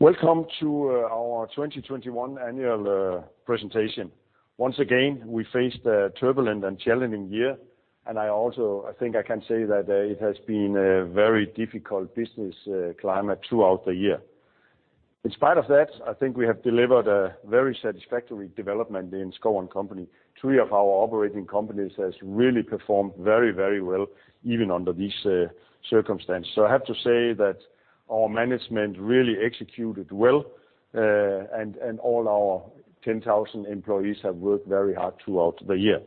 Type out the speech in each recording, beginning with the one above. Welcome to our 2021 annual presentation. Once again, we faced a turbulent and challenging year, and I think I can say that it has been a very difficult business climate throughout the year. In spite of that, I think we have delivered a very satisfactory development in Schouw & Co. Three of our operating companies has really performed very, very well even under these circumstances. I have to say that our management really executed well, and all our 10,000 employees have worked very hard throughout the year.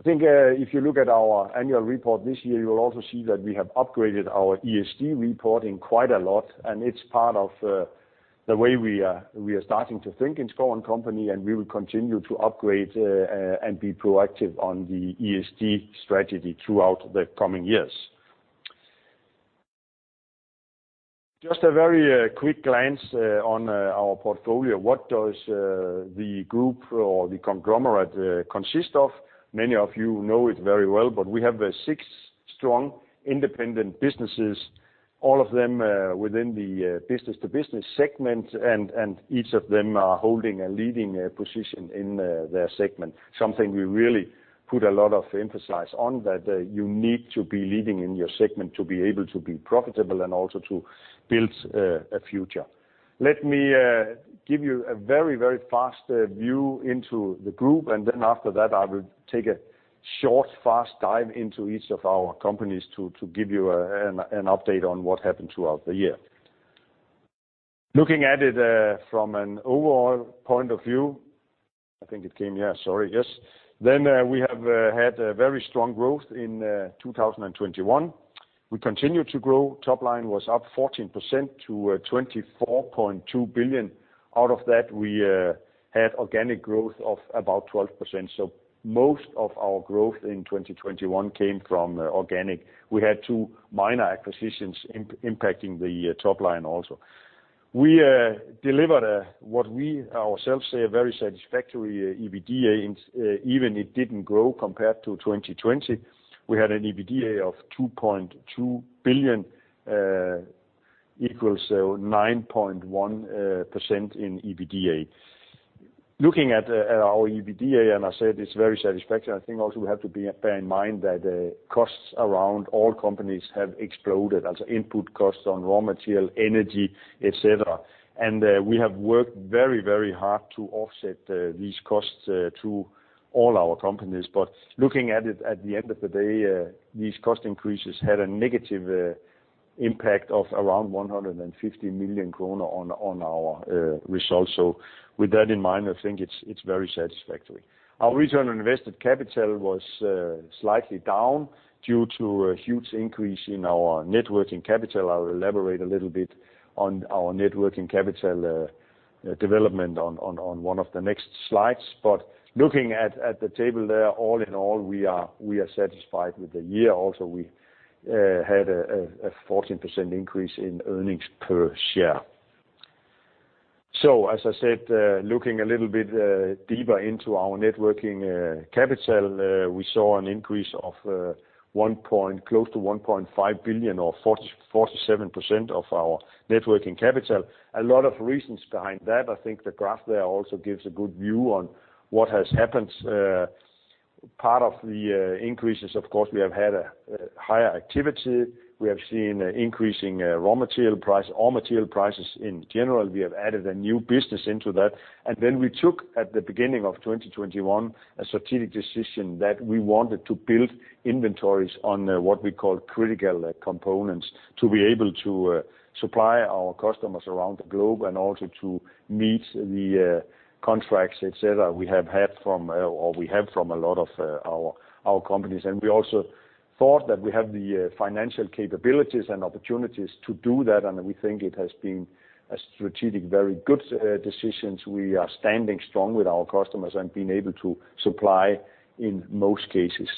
I think, if you look at our annual report this year, you will also see that we have upgraded our ESG reporting quite a lot, and it's part of the way we are starting to think in Schouw & Co., and we will continue to upgrade and be proactive on the ESG strategy throughout the coming years. Just a very quick glance on our portfolio. What does the group or the conglomerate consist of? Many of you know it very well, but we have six strong, independent businesses, all of them within the business-to-business segment and each of them are holding a leading position in their segment. Something we really put a lot of emphasis on, that you need to be leading in your segment to be able to be profitable and also to build a future. Let me give you a very, very fast view into the group, and then after that, I will take a short, fast dive into each of our companies to give you an update on what happened throughout the year. Looking at it from an overall point of view, then we have had a very strong growth in 2021. We continue to grow. Top line was up 14% to 24.2 billion. Out of that, we had organic growth of about 12%. Most of our growth in 2021 came from organic. We had 2 minor acquisitions impacting the top line also. We delivered what we ourselves say a very satisfactory EBITDA. Even though it didn't grow compared to 2020. We had an EBITDA of 2.2 billion, equals 9.1% in EBITDA. Looking at our EBITDA, and I said it's very satisfactory, I think also we have to bear in mind that costs around all companies have exploded, as input costs on raw material, energy, et cetera. We have worked very, very hard to offset these costs through all our companies. Looking at it at the end of the day, these cost increases had a negative impact of around 150 million kroner on our results. With that in mind, I think it's very satisfactory. Our return on invested capital was slightly down due to a huge increase in our net working capital. I'll elaborate a little bit on our net working capital development on one of the next slides. Looking at the table there, all in all, we are satisfied with the year. Also, we had a 14% increase in earnings per share. As I said, looking a little bit deeper into our net working capital, we saw an increase of 1.2 billion-1.5 billion or 47% of our net working capital. A lot of reasons behind that. I think the graph there also gives a good view on what has happened. Part of the increase is, of course, we have had a higher activity. We have seen increasing raw material price, all material prices in general. We have added a new business into that. We took, at the beginning of 2021, a strategic decision that we wanted to build inventories on what we call critical components to be able to supply our customers around the globe and also to meet the contracts, et cetera, we have had from, or we have from a lot of our companies. We also thought that we have the financial capabilities and opportunities to do that, and we think it has been a strategic very good decisions. We are standing strong with our customers and been able to supply in most cases.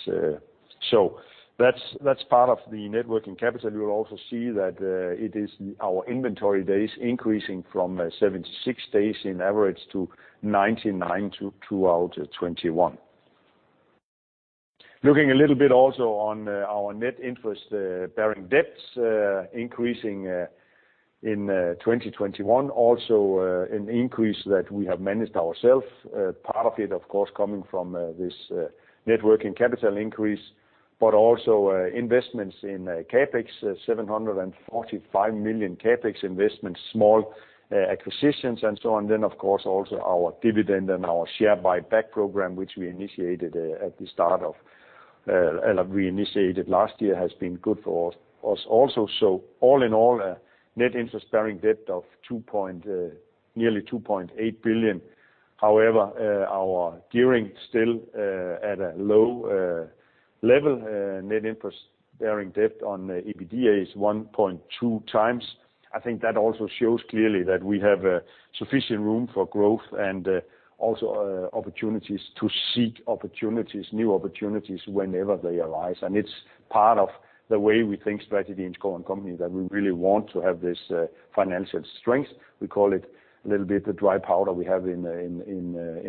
That's part of the net working capital. You will also see that it is our inventory days increasing from 76 days on average to 99 throughout 2021. Looking a little bit also on our net interest-bearing debts increasing in 2021. An increase that we have managed ourselves. Part of it, of course, coming from this net working capital increase, but also investments in CapEx, 745 million CapEx investments, small acquisitions and so on. Of course, also our dividend and our share buyback program, which we initiated at the start of last year, has been good for us also. All in all, a net interest-bearing debt of nearly 2.8 billion. However, our gearing still at a low level. Net interest-bearing debt on EBITDA is 1.2x. I think that also shows clearly that we have sufficient room for growth and also opportunities to seek opportunities, new opportunities whenever they arise. It's part of the way we think strategy in Schouw & Co., that we really want to have this financial strength. We call it a little bit the dry powder we have in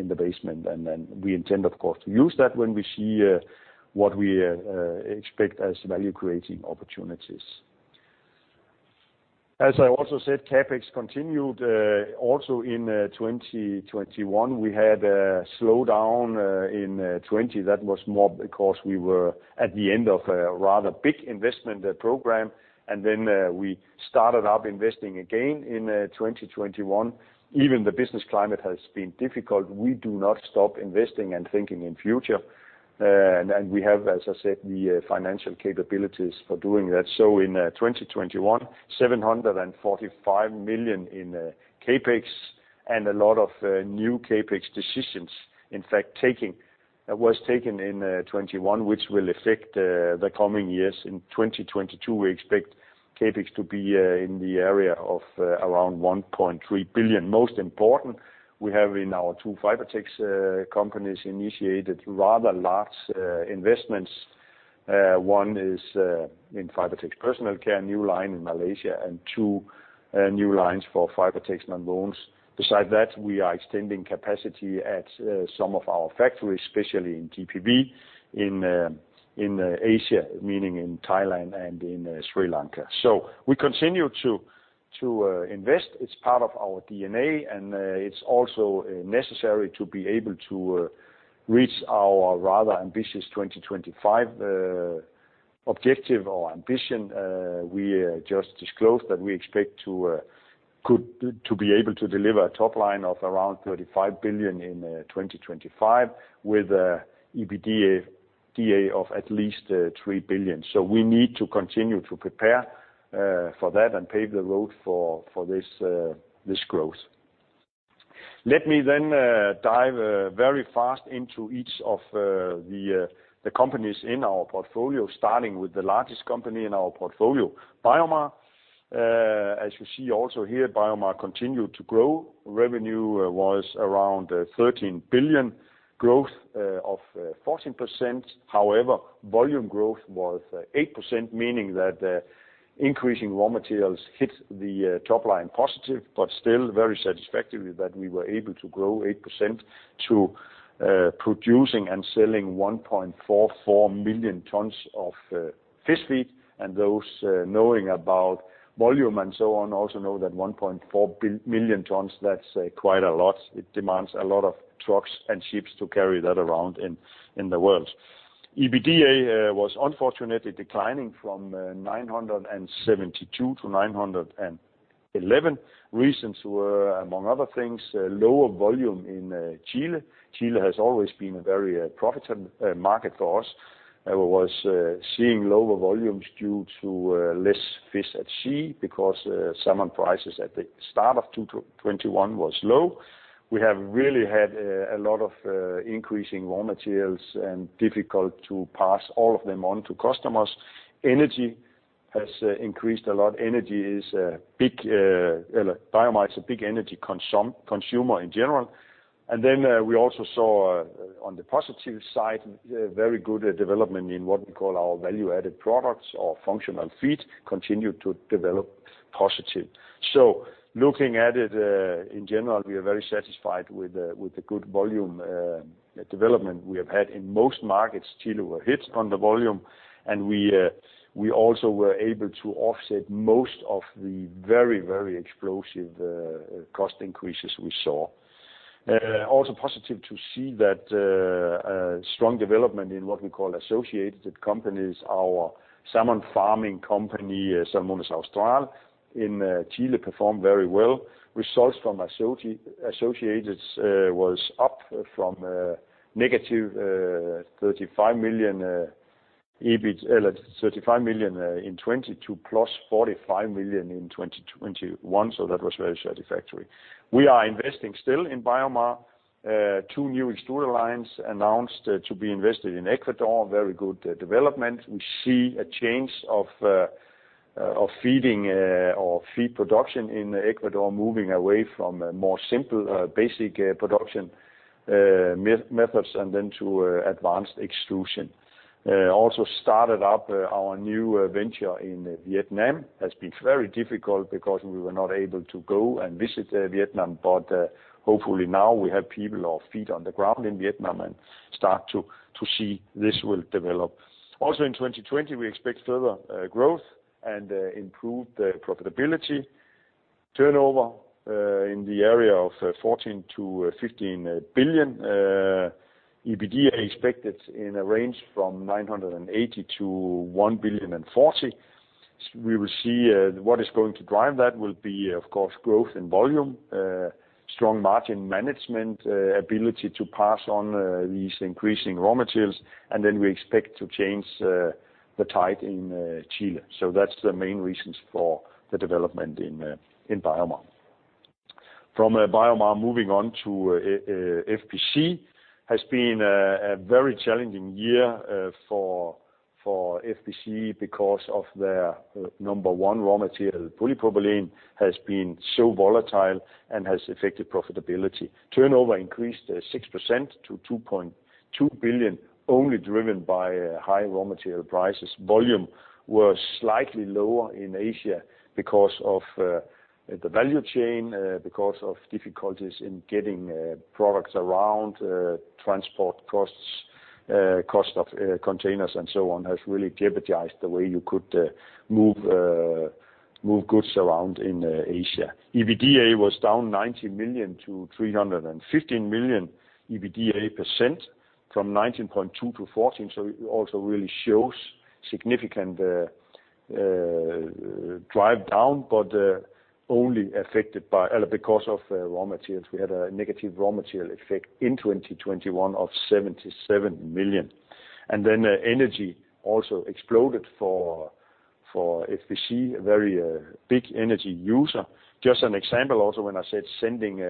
the basement. Then we intend, of course, to use that when we see what we expect as value-creating opportunities. As I also said, CapEx continued also in 2021. We had a slowdown in 2020. That was more because we were at the end of a rather big investment program, and then we started up investing again in 2021. Even the business climate has been difficult. We do not stop investing and thinking in future. We have, as I said, the financial capabilities for doing that. In 2021, 745 million in CapEx and a lot of new CapEx decisions. In fact, decisions were taken in 2021, which will affect the coming years. In 2022, we expect CapEx to be in the area of around 1.3 billion. Most important, we have in our two Fibertex companies initiated rather large investments. One is in Fibertex Personal Care, new line in Malaysia, and two new lines for Fibertex Nonwovens. Besides that, we are extending capacity at some of our factories, especially in GPV, in Asia, meaning in Thailand and in Sri Lanka. We continue to invest. It's part of our DNA, and it's also necessary to be able to reach our rather ambitious 2025 objective or ambition. We just disclosed that we expect to be able to deliver a top line of around 35 billion in 2025 with EBITDA of at least 3 billion. We need to continue to prepare for that and pave the road for this growth. Let me dive very fast into each of the companies in our portfolio, starting with the largest company in our portfolio, BioMar. As you see also here, BioMar continued to grow. Revenue was around 13 billion, growth of 14%. However, volume growth was 8%, meaning that increasing raw materials hit the top line positive, but still very satisfactory that we were able to grow 8% to producing and selling 1.44 million tons of fish feed. Those knowing about volume and so on also know that 1.4 million tons, that's quite a lot. It demands a lot of trucks and ships to carry that around in the world. EBITDA was unfortunately declining from 972 to 911. Reasons were, among other things, lower volume in Chile. Chile has always been a very profitable market for us. Was seeing lower volumes due to less fish at sea because salmon prices at the start of 2021 was low. We have really had a lot of increasing raw materials and difficult to pass all of them on to customers. Energy has increased a lot. Energy is a big BioMar is a big energy consumer in general. We also saw on the positive side a very good development in what we call our value-added products or functional feed continued to develop positive. Looking at it in general, we are very satisfied with the good volume development we have had in most markets. Chile were hit on the volume, and we also were able to offset most of the very, very explosive cost increases we saw. Also positive to see that a strong development in what we call associated companies. Our salmon farming company, Salmones Austral, in Chile performed very well. Results from associates was up from negative 35 million EBIT in 2020 to plus 45 million in 2021. That was very satisfactory. We are investing still in BioMar. Two new extrusion lines announced to be invested in Ecuador. Very good development. We see a change of feeding or feed production in Ecuador moving away from a more simple basic production methods and then to advanced extrusion. Also started up our new venture in Vietnam has been very difficult because we were not able to go and visit Vietnam. Hopefully, now we have people or feet on the ground in Vietnam and start to see this will develop. Also in 2020, we expect further growth and improved profitability. Turnover in the area of 14 billion-15 billion EBITDA expected in a range from 980 million to 1.04 billion. We will see what is going to drive that will be, of course, growth and volume, strong margin management, ability to pass on these increasing raw materials, and then we expect to change the tide in Chile. That's the main reasons for the development in BioMar. From BioMar, moving on to FPC. It has been a very challenging year for FPC because of their number one raw material, polypropylene, has been so volatile and has affected profitability. Turnover increased 6% to 2.2 billion, only driven by high raw material prices. Volume was slightly lower in Asia because of the value chain because of difficulties in getting products around. Transport costs. Cost of containers and so on has really jeopardized the way you could move goods around in Asia. EBITDA was down 90 million to 315 million. EBITDA percent from 19.2% to 14%, so it also really shows significant drive down, but only affected by or because of raw materials. We had a negative raw material effect in 2021 of 77 million. Energy also exploded for FPC, a very big energy user. Just an example also, when I said sending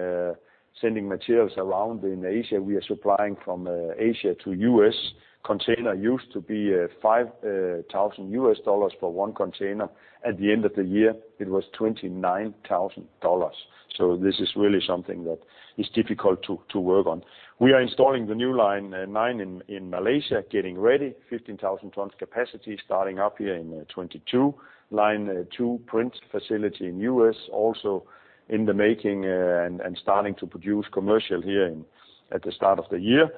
materials around in Asia, we are supplying from Asia to U.S. Container used to be $5,000 for one container. At the end of the year, it was $29,000. This is really something that is difficult to work on. We are installing the new line nine in Malaysia, getting ready. 15,000 tons capacity starting up here in 2022. Line two print facility in U.S. also in the making, and starting to produce commercially here at the start of the year.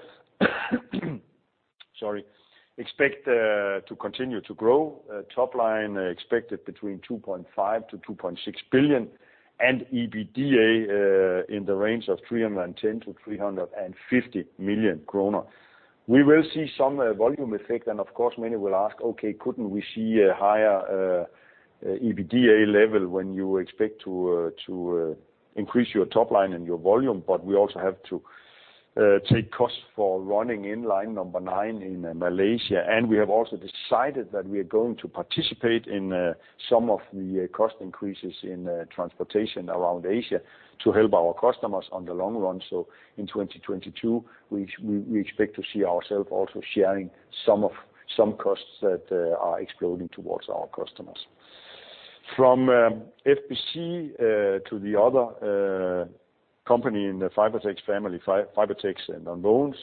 Sorry. We expect to continue to grow. Top line expected between 2.5 billion-2.6 billion, and EBITDA in the range of 310 million-350 million kroner. We will see some volume effect, and of course many will ask, "Okay, couldn't we see a higher EBITDA level when you expect to increase your top line and your volume?" We also have to take costs for running in line number nine in Malaysia, and we have also decided that we are going to participate in some of the cost increases in transportation around Asia to help our customers in the long run. In 2022, we expect to see ourselves also sharing some costs that are exploding towards our customers. From FPC to the other company in the Fibertex family, Fibertex Nonwovens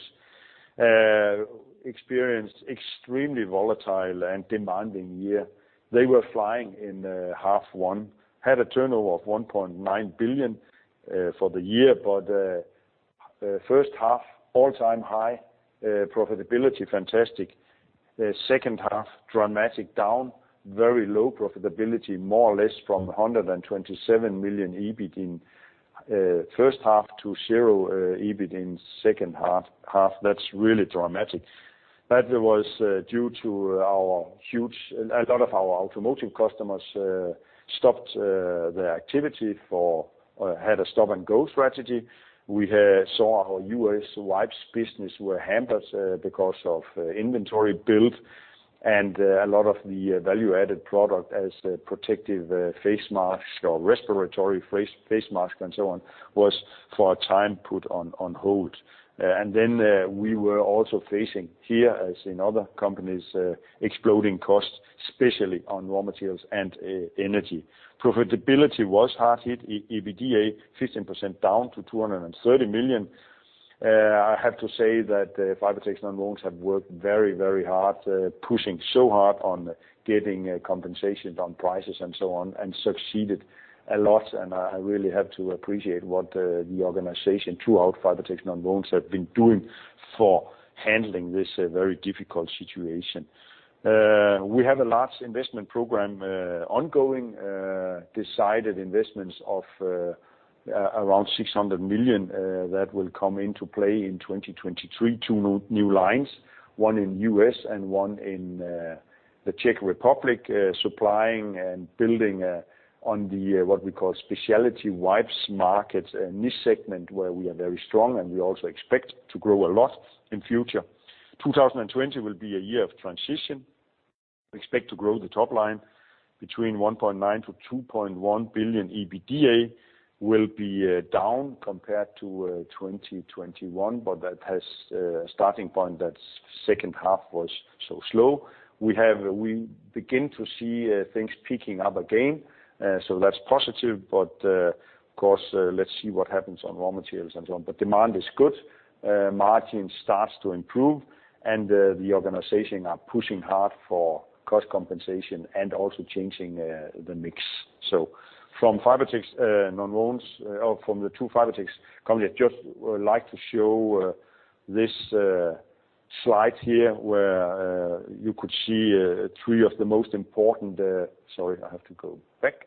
experienced an extremely volatile and demanding year. They were flying in H1, had a turnover of 1.9 billion for the year, but first half all-time high. Profitability fantastic. Second half dramatic down. Very low profitability, more or less from 127 million EBIT in first half to 0 EBIT in second half. That's really dramatic. That was due to a lot of our automotive customers stopped their activity, they had a stop-and-go strategy. We saw our U.S. wipes business were hampered because of inventory build, and a lot of the value-added product as protective face mask or respiratory face mask and so on was for a time put on hold. We were also facing here, as in other companies, exploding costs, especially on raw materials and energy. Profitability was hard hit. EBITDA 15% down to 230 million. I have to say that Fibertex Nonwovens have worked very, very hard pushing so hard on getting compensation on prices and so on, and succeeded a lot and I really have to appreciate what the organization throughout Fibertex Nonwovens have been doing for handling this very difficult situation. We have a large investment program ongoing. Decided investments of around 600 million that will come into play in 2023. Two new lines, one in U.S. and one in the Czech Republic, Supplying and building on what we call specialty wipes market, a niche segment where we are very strong, and we also expect to grow a lot in future. 2020 will be a year of transition. Expect to grow the top line between 1.9 billion-2.1 billion EBITDA will be down compared to 2021, but that has starting point that's second half was so slow. We begin to see things picking up again, so that's positive. Of course, let's see what happens on raw materials and so on. Demand is good. Margin starts to improve, and the organization are pushing hard for cost compensation and also changing the mix. From Fibertex Nonwovens, or from the two Fibertex companies, just would like to show this slide here where you could see three of the most important. Sorry, I have to go back.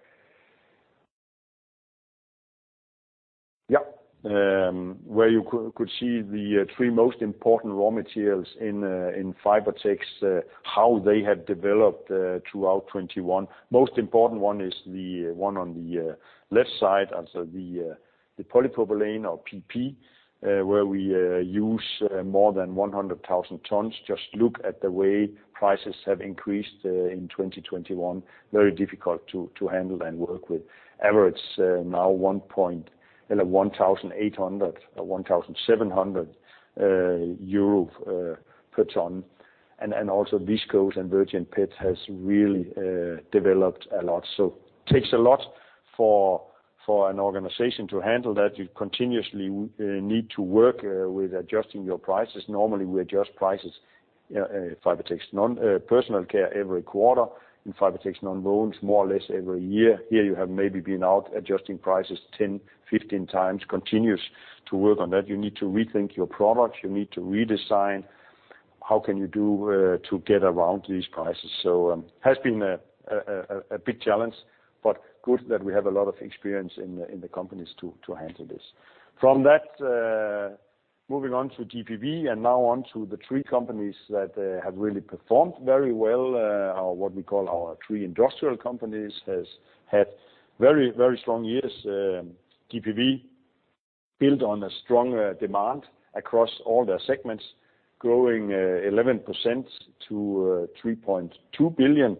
Yeah. Where you could see the three most important raw materials in Fibertex, how they have developed throughout 2021. Most important one is the one on the left side, and so the polypropylene or PP, where we use more than 100,000 tons. Just look at the way prices have increased in 2021. Very difficult to handle and work with. Averages now 1,800, 1,700 euro per ton. Also viscose and virgin PET has really developed a lot. Takes a lot for an organization to handle that. You continuously need to work with adjusting your prices. Normally, we adjust prices. Fibertex Personal Care every quarter. In Fibertex Nonwovens more or less every year. Here you have maybe been out adjusting prices 10, 15 times, continues to work on that. You need to rethink your products. You need to redesign how can you do to get around these prices has been a big challenge, but good that we have a lot of experience in the companies to handle this. From that, moving on to GPV and now on to the three companies that have really performed very well, or what we call our three industrial companies, has had very, very strong years. GPV built on a strong demand across all their segments, growing 11% to 3.2 billion.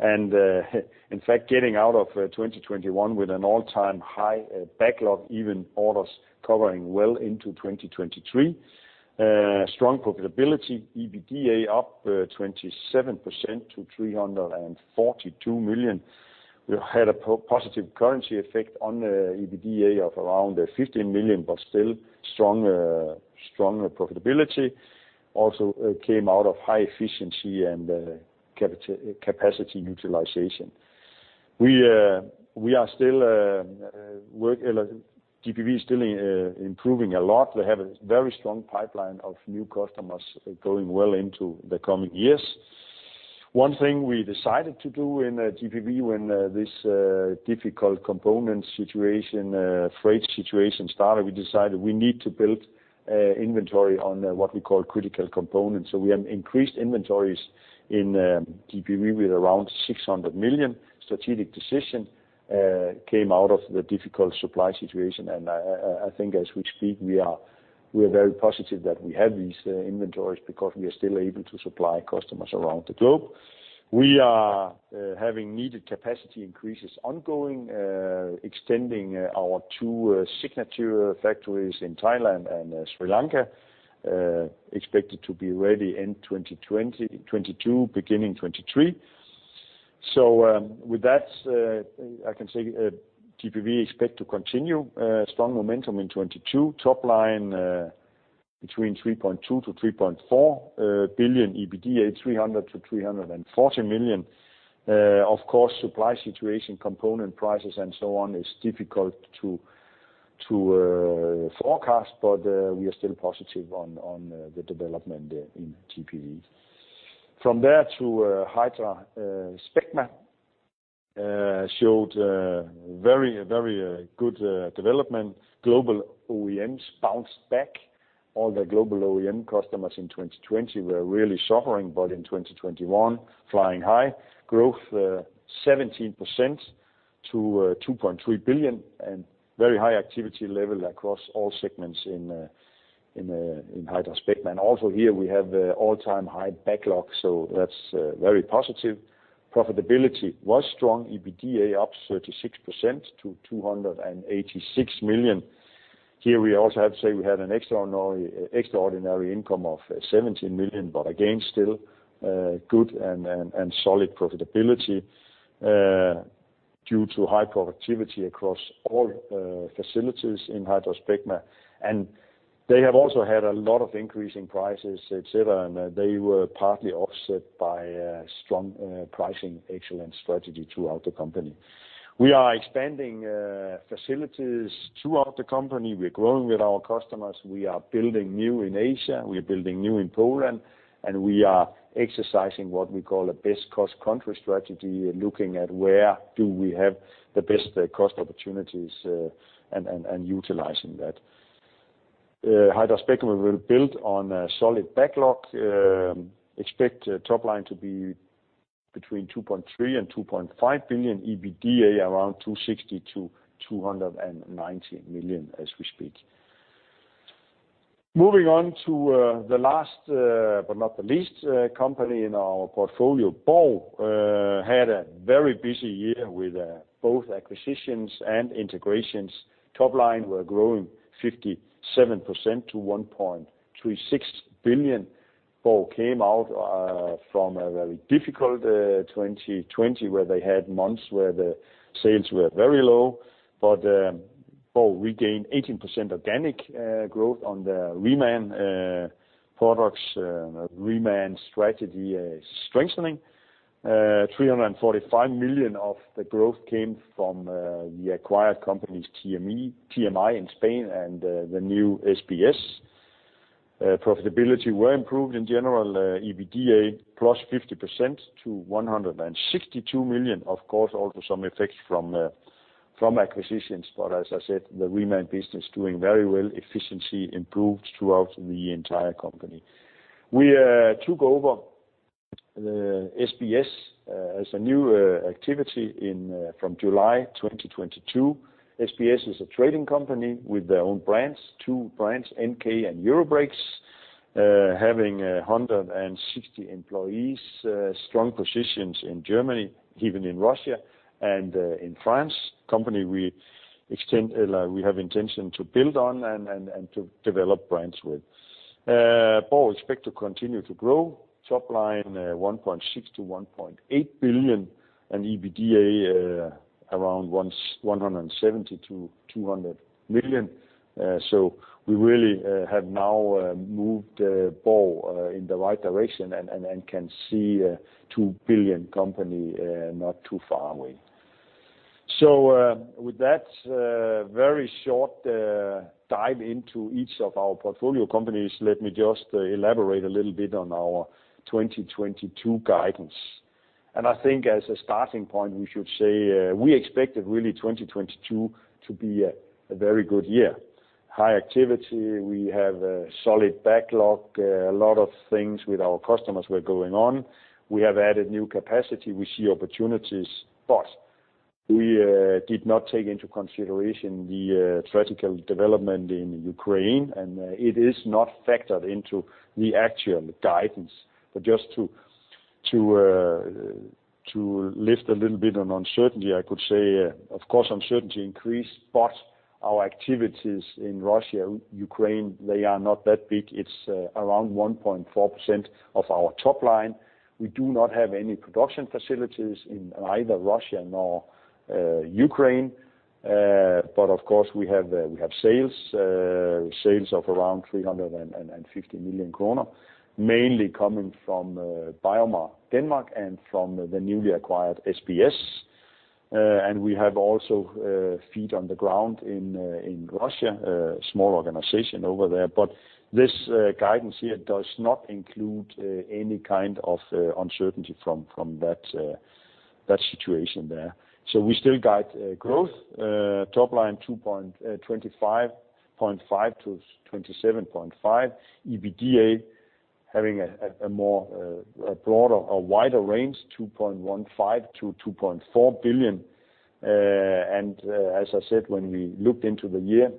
In fact, getting out of 2021 with an all-time high backlog, even orders covering well into 2023. Strong profitability. EBITDA up 27% to 342 million. We had a positive currency effect on EBITDA of around 15 million, but still strong profitability also came out of high efficiency and capacity utilization. GPV is still improving a lot. They have a very strong pipeline of new customers going well into the coming years. One thing we decided to do in GPV when this difficult component situation, freight situation started, we decided we need to build inventory on what we call critical components. We have increased inventories in GPV with around 600 million. Strategic decision came out of the difficult supply situation, and I think as we speak, we are very positive that we have these inventories because we are still able to supply customers around the globe. We are having needed capacity increases ongoing, extending our two signature factories in Thailand and Sri Lanka, expected to be ready in 2022, beginning 2023. With that, I can say, GPV expect to continue strong momentum in 2022. Topline between 3.2 billion-3.4 billion. EBITDA 300 million-340 million. Of course, supply situation, component prices, and so on is difficult to forecast, but we are still positive on the development in GPV. From there to HydraSpecma showed very good development. Global OEMs bounced back. All the global OEM customers in 2020 were really suffering, but in 2021, flying high. Growth 17% to 2.3 billion and very high activity level across all segments in HydraSpecma. Also here we have all-time high backlog, so that's very positive. Profitability was strong. EBITDA up 36% to 286 million. Here we also have to say we had an extraordinary income of 17 million, but again, still good and solid profitability due to high productivity across all facilities in HydraSpecma. They have also had a lot of increasing prices, etc., and they were partly offset by strong pricing excellence strategy throughout the company. We are expanding facilities throughout the company. We're growing with our customers. We are building new in Asia. We are building new in Poland. We are exercising what we call a best cost country strategy, looking at where we have the best cost opportunities, and utilizing that. HydraSpecma will build on a solid backlog. Expect top line to be 2.3 billion-2.5 billion. EBITDA around 260 million-290 million as we speak. Moving on to the last but not the least company in our portfolio. Borg had a very busy year with both acquisitions and integrations. Top line were growing 57% to 1.36 billion. BORG came out from a very difficult 2020, where they had months where the sales were very low. Borg regained 18% organic growth on the reman products. Reman strategy is strengthening. 345 million of the growth came from the acquired companies TMI in Spain and the new SBS. Profitability were improved in general. EBITDA +50% to 162 million. Of course, also some effects from acquisitions. As I said, the reman business doing very well. Efficiency improved throughout the entire company. We took over SBS as a new activity from July 2022. SBS is a trading company with their own brands, two brands, NK and Eurobrake. Having 160 employees, strong positions in Germany, even in Russia and in France. Company we extend like we have intention to build on and to develop brands with. Borg expect to continue to grow. Topline, 1.6 billion-DKK1.8 billion and EBITDA, around 17 million-200 million. We really have now moved the ball in the right direction and can see a 2 billion company not too far away. With that, very short dive into each of our portfolio companies, let me just elaborate a little bit on our 2022 guidance. I think as a starting point, we should say we expected really 2022 to be a very good year. High activity, we have a solid backlog, a lot of things with our customers were going on. We have added new capacity, we see opportunities. We did not take into consideration the tragic development in Ukraine, and it is not factored into the actual guidance. Just to lift a little bit on uncertainty, I could say, of course, uncertainty increased, but our activities in Russia, Ukraine, they are not that big. It's around 1.4% of our top line. We do not have any production facilities in either Russia or Ukraine. But of course we have sales of around 350 million kroner, mainly coming from BioMar, Denmark and from the newly acquired SBS. We have also feet on the ground in Russia, a small organization over there. This guidance here does not include any kind of uncertainty from that situation there. We still guide growth top line 25.5 billion-27.5 billion. EBITDA having a more broader or wider range, 2.15 billion-2.4 billion. As I said, when we looked into the year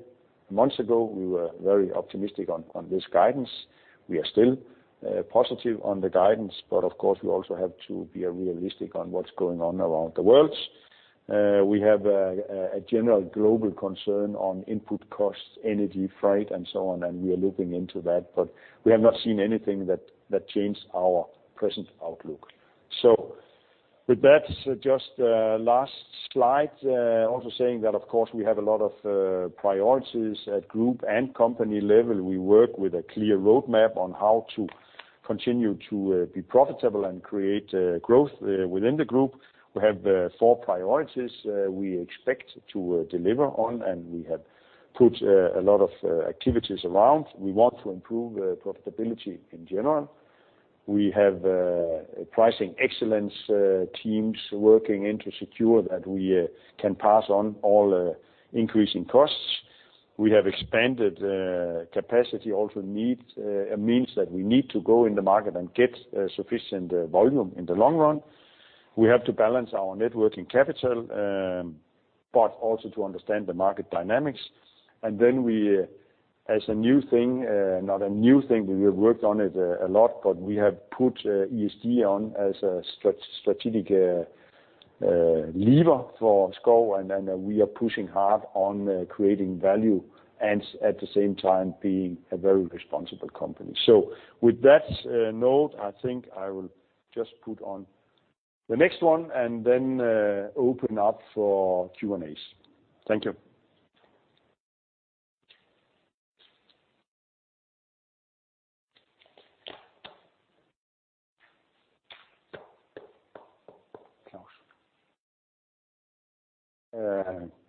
months ago, we were very optimistic on this guidance. We are still positive on the guidance, but of course, we also have to be realistic on what's going on around the world. We have a general global concern on input costs, energy, freight, and so on, and we are looking into that. We have not seen anything that changed our present outlook. With that, just last slide also saying that of course we have a lot of priorities at group and company level. We work with a clear roadmap on how to continue to be profitable and create growth within the group. We have four priorities we expect to deliver on, and we have put a lot of activities around. We want to improve profitability in general. We have pricing excellence teams working to secure that we can pass on all increasing costs. We have expanded capacity also means that we need to go in the market and get sufficient volume in the long run. We have to balance our net working capital, but also to understand the market dynamics. We have worked on it a lot, but we have put ESG on as a strategic lever for SCHO. We are pushing hard on creating value and at the same time being a very responsible company. With that note, I think I will just put on the next one and then open up for Q&As. Thank you.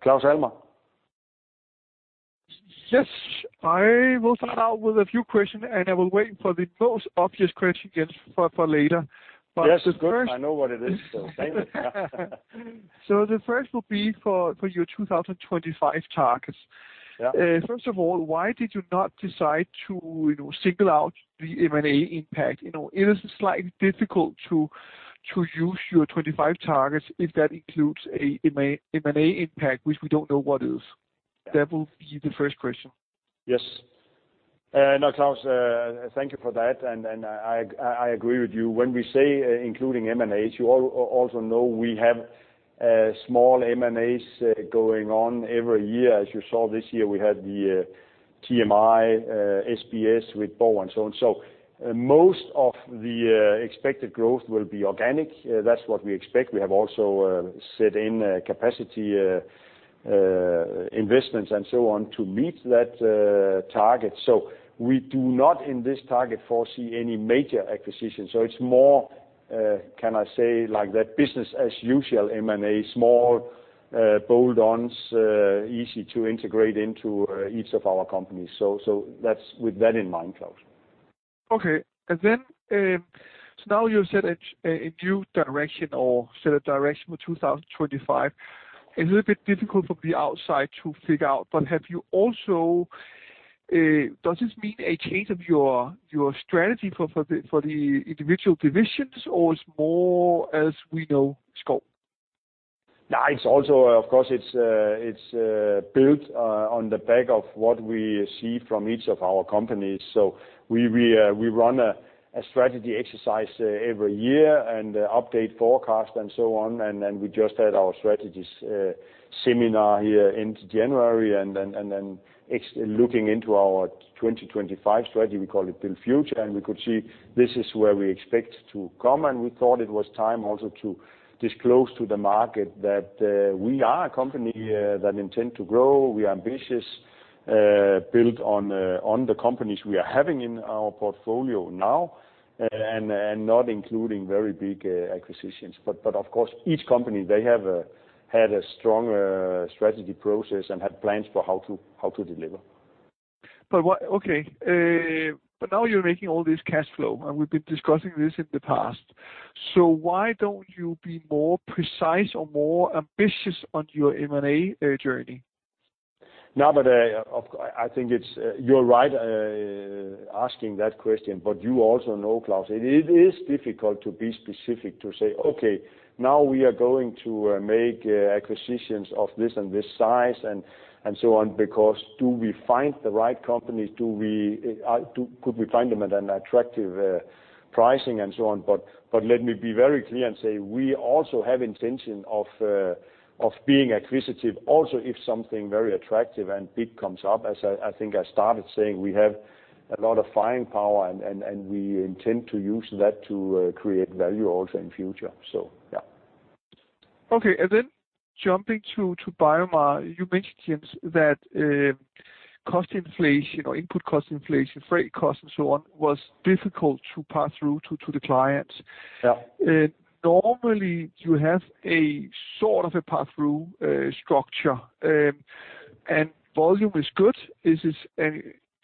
Claus Almer. Yes. I will start out with a few question, and I will wait for the most obvious question again for later. The first- Yes, good. I know what it is, so save it. The first will be for your 2025 targets. Yeah. First of all, why did you not decide to, you know, single out the M&A impact? You know, it is slightly difficult to use your 25 targets if that includes a M&A impact, which we don't know what is. Yeah. That will be the first question. Yes. No, Claus, thank you for that. I agree with you. When we say including M&As, you also know we have small M&As going on every year. As you saw this year, we had the TMI, SBS with Borg and so on. Most of the expected growth will be organic. That's what we expect. We have also set in capacity investments and so on to meet that target. We do not in this target foresee any major acquisitions. It's more, can I say like that business as usual M&A, small bolt-ons, easy to integrate into each of our companies. That's with that in mind, Claus. Okay. Now you've set a new direction or set a direction for 2025. It's a little bit difficult from the outside to figure out, but have you also does this mean a change of your strategy for the individual divisions or it's more as we know scope? No, it's also, of course, it's built on the back of what we see from each of our companies. We run a strategy exercise every year and update forecast and so on. We just had our strategy seminar here end of January and then looking into our 2025 strategy, we call it Build Future, and we could see. This is where we expect to come, and we thought it was time also to disclose to the market that we are a company that intend to grow. We are ambitious, built on the companies we are having in our portfolio now and not including very big acquisitions. Of course, each company they had a strong strategy process and had plans for how to deliver. Now you're making all this cash flow, and we've been discussing this in the past. Why don't you be more precise or more ambitious on your M&A journey? No, of course, I think. You're right asking that question, but you also know, Claus, it is difficult to be specific to say, "Okay, now we are going to make acquisitions of this and this size and so on." Because do we find the right companies? Could we find them at an attractive pricing and so on? Let me be very clear and say we also have intention of being acquisitive also if something very attractive and big comes up. As I think I started saying, we have a lot of firepower and we intend to use that to create value also in future. Yeah. Okay. Jumping to BioMar, you mentioned that cost inflation or input cost inflation, freight costs and so on, was difficult to pass through to the clients. Yeah. Normally you have a sort of a pass-through structure. Volume is good.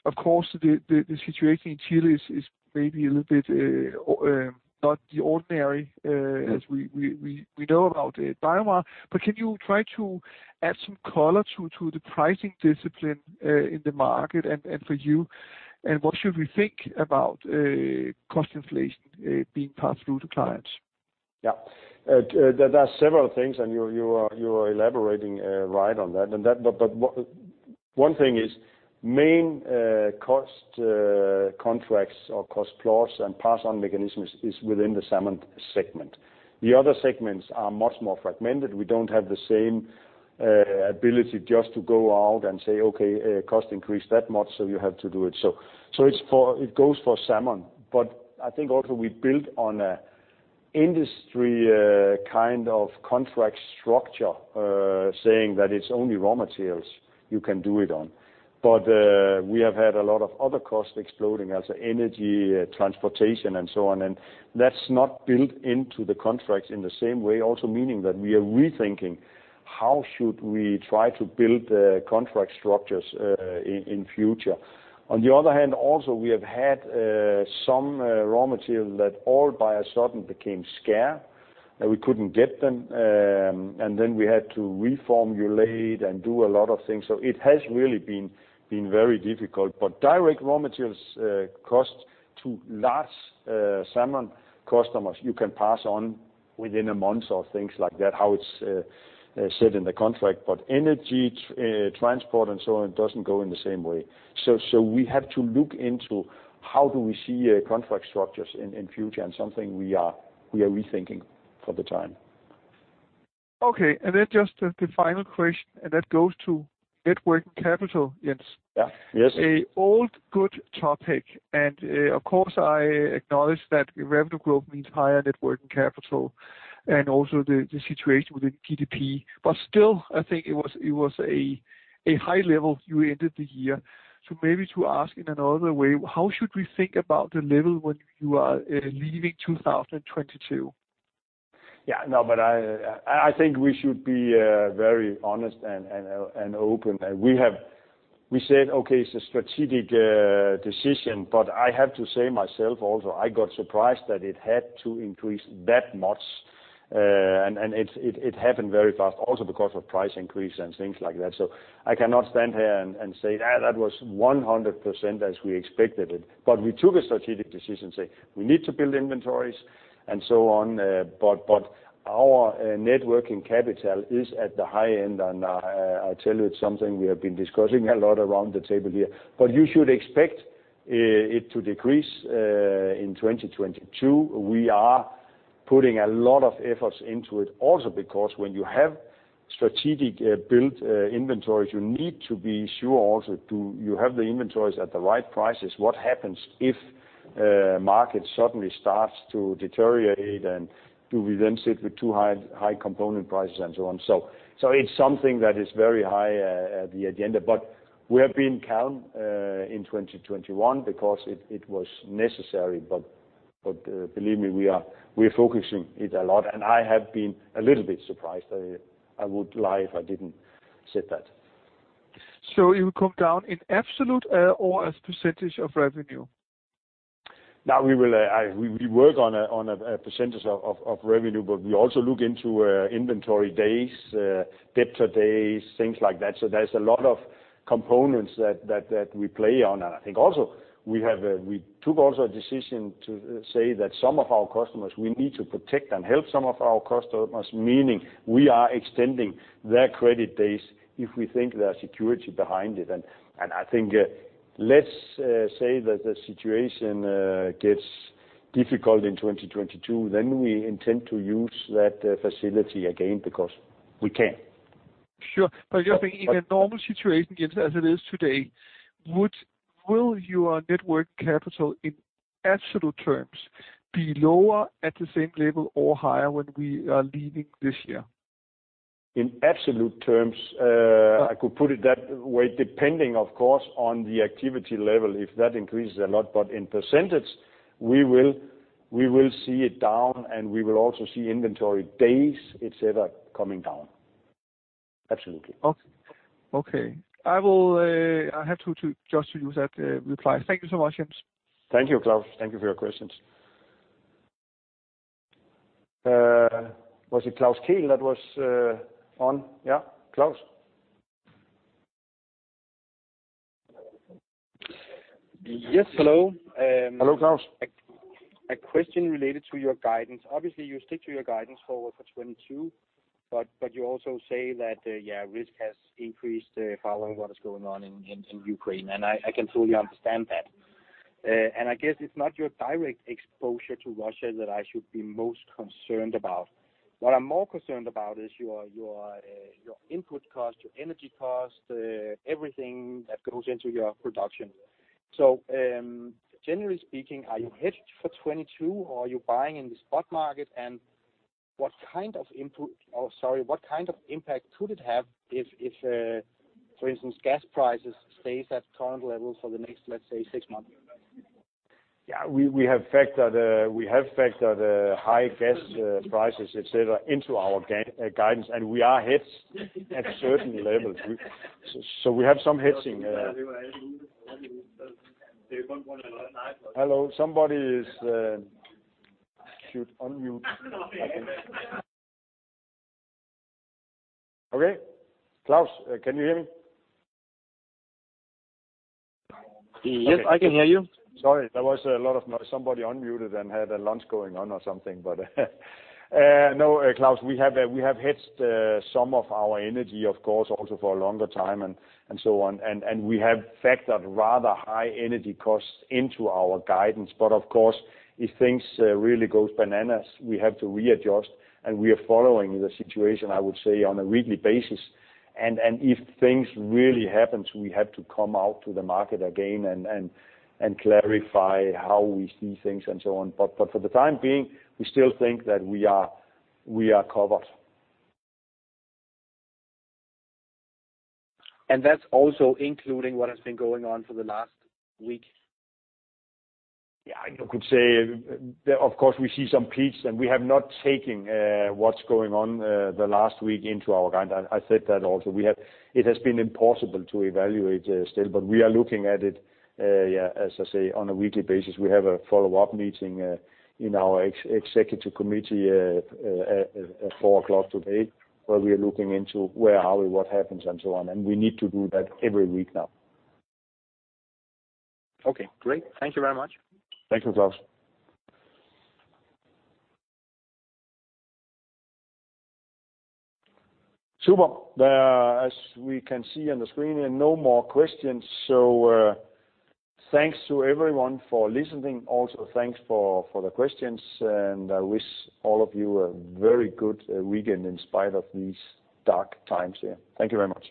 Of course, the situation in Chile is maybe a little bit not the ordinary as we know about it, BioMar, but can you try to add some color to the pricing discipline in the market and for you? What should we think about cost inflation being passed through to clients? Yeah. There are several things and you are elaborating right on that. One thing is main cost contracts or cost clause and pass on mechanisms is within the salmon segment. The other segments are much more fragmented. We don't have the same ability just to go out and say, "Okay, cost increased that much, so you have to do it." It goes for salmon. I think also we built on an industry kind of contract structure saying that it's only raw materials you can do it on. We have had a lot of other costs exploding as energy, transportation and so on, and that's not built into the contracts in the same way. Also meaning that we are rethinking how should we try to build the contract structures in future. On the other hand, also, we have had some raw material that all of a sudden became scarce, and we couldn't get them. Then we had to reformulate and do a lot of things. It has really been very difficult. Direct raw materials cost to large salmon customers, you can pass on within a month or things like that, how it's said in the contract. Energy, transport and so on, it doesn't go in the same way. We have to look into how do we see contract structures in future and something we are rethinking for the time. Okay. Just the final question, and that goes to net working capital, Jens. Yeah. Yes. A old good topic. Of course, I acknowledge that revenue growth means higher working capital and also the situation within GDP. But still, I think it was a high level you ended the year. Maybe to ask in another way, how should we think about the level when you are leaving 2022? Yeah. No, but I think we should be very honest and open. We said, "Okay, it's a strategic decision," but I have to say myself also, I got surprised that it had to increase that much. It happened very fast also because of price increase and things like that. I cannot stand here and say, "That was 100% as we expected it." We took a strategic decision saying we need to build inventories and so on. Our net working capital is at the high end. I tell you it's something we have been discussing a lot around the table here. You should expect it to decrease in 2022. We are putting a lot of efforts into it also because when you have strategic built inventories, you need to be sure also do you have the inventories at the right prices? What happens if market suddenly starts to deteriorate, and do we then sit with too high component prices and so on? It's something that is very high on the agenda. We have been calm in 2021 because it was necessary. Believe me, we're focusing it a lot. I have been a little bit surprised. I would lie if I didn't say that. It will come down in absolute or as percentage of revenue? We work on a percentage of revenue, but we also look into inventory days, debtor days, things like that. There's a lot of components that we play on. I think also we took a decision to say that some of our customers, we need to protect and help some of our customers, meaning we are extending their credit days if we think there are security behind it. I think, let's say that the situation gets difficult in 2022, then we intend to use that facility again because we can. Sure. Just in a normal situation, Jens, as it is today, will your net working capital in absolute terms be lower at the same level or higher when we are leaving this year? In absolute terms, I could put it that way, depending of course on the activity level, if that increases a lot. In percentage, we will see it down, and we will also see inventory days, et cetera, coming down. Absolutely. Okay. I have to just use that reply. Thank you so much, Jens. Thank you, Claus. Thank you for your questions. Was it Claus Kehl that was on? Yeah. Claus? Yes, hello. Hello, Claus. A question related to your guidance. Obviously, you stick to your guidance forward for 2022, but you also say that, yeah, risk has increased following what is going on in Ukraine, and I can fully understand that. I guess it's not your direct exposure to Russia that I should be most concerned about. What I'm more concerned about is your input cost, your energy cost, everything that goes into your production. Generally speaking, are you hedged for 2022, or are you buying in the spot market? What kind of impact could it have if, for instance, gas prices stays at current levels for the next, let's say, six months? Yeah. We have factored the high gas prices, et cetera, into our guidance, and we are hedged at certain levels. We have some hedging. Hello? Somebody should unmute. Okay. Claus, can you hear me? Yes, I can hear you. Sorry, there was a lot of noise. Somebody unmuted and had a lunch going on or something, but. No, Claus, we have hedged some of our energy, of course, also for a longer time and so on. We have factored rather high energy costs into our guidance. But of course, if things really goes bananas, we have to readjust, and we are following the situation, I would say, on a weekly basis. If things really happens, we have to come out to the market again and clarify how we see things, and so on. But for the time being, we still think that we are covered. That's also including what has been going on for the last week? Yeah. You could say, of course, we see some peaks, and we have not taken what's going on the last week into our guidance. I said that also. It has been impossible to evaluate still, but we are looking at it as I say, on a weekly basis. We have a follow-up meeting in our executive committee at 4:00 P.M. today, where we are looking into where are we, what happens, and so on. We need to do that every week now. Okay. Great. Thank you very much. Thank you, Claus. Super. As we can see on the screen here, no more questions. Thanks to everyone for listening. Also, thanks for the questions, and I wish all of you a very good weekend in spite of these dark times here. Thank you very much.